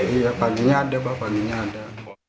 iya paginya ada pak paginya ada